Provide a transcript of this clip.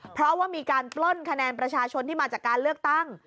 เพราะว่ามีการปล้นคะแนนประชาชนที่มาจากการเลือกตั้ง